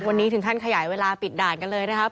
วันนี้ถึงขั้นขยายเวลาปิดด่านกันเลยนะครับ